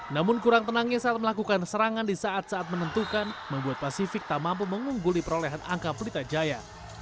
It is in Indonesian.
namun kurang tenangnya saat melakukan serangan di saat saat menentukan membuat pasifik tak mampu mengungguli perolehan angka pelita jaya